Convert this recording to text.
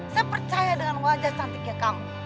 saya percaya dengan wajah cantiknya kamu